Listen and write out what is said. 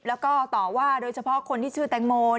แล้วก็ต่อว่าโดยเฉพาะคนที่ชื่อแตงโม